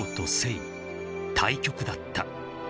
［対極だった］